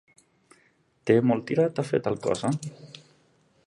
Té molt tirat a fer tal cosa.